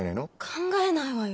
考えないわよ。